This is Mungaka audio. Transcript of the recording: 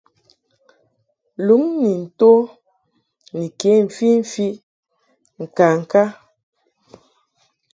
Luŋ ni nto ni ke mfimfi ŋkaŋka.